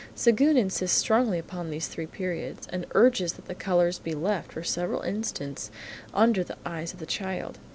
Séguin insists strongly upon these three periods, and urges that the colours be left for several instants under the eyes of the child.